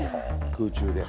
空中で。